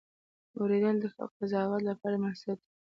اورېدل د قضاوت لپاره بنسټ دی.